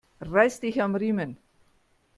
Reiß dich am Riemen!